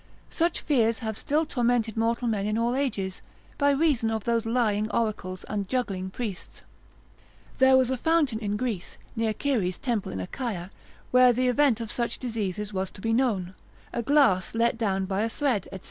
Such fears have still tormented mortal men in all ages, by reason of those lying oracles, and juggling priests. There was a fountain in Greece, near Ceres' temple in Achaia, where the event of such diseases was to be known; A glass let down by a thread, &c.